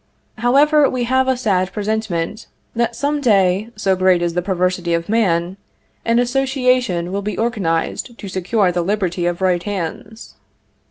However, we have a sad presentiment that some day (so great is the perversity of man) an association will be organized to secure the liberty of right hands.